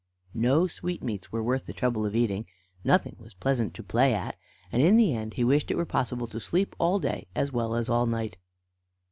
No sweetmeats were worth the trouble of eating, nothing was pleasant to play at, and in the end he wished it were possible to sleep all day, as well as all night.